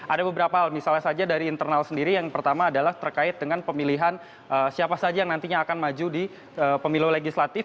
ada beberapa hal misalnya saja dari internal sendiri yang pertama adalah terkait dengan pemilihan siapa saja yang nantinya akan maju di pemilu legislatif